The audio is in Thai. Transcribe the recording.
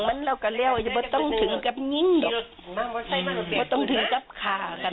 ไม่ต้องถึงกับนิ่งหรอกไม่ต้องถึงกับขากัน